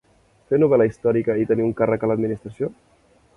Fer novel·la històrica i tenir un càrrec a l'administració?